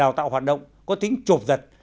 cơ sở đào tạo hoạt động có tính trộp dật